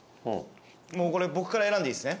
これ僕から選んでいいっすね？